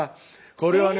これはね